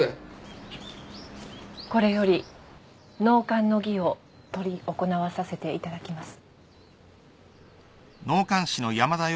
これより納棺の儀を執り行わさせていただきます。